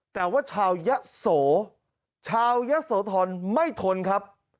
แต่ว่าชาวยะโสชาวยะโสธรไม่ทนครับ